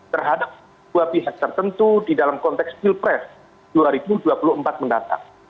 terhadap dua pihak tertentu di dalam konteks pilpres dua ribu dua puluh empat mendatang